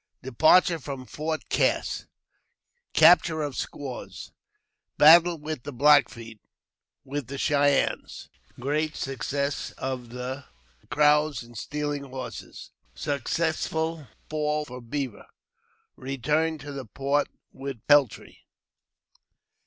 Departure from Fort Cass — Capture of Squaws — Battle with the Black Feet ; with the Cheyennes — Great success of the Crows in stealing Horses — A successful Fall for Beaver — Keturn to the Fort with Peltry.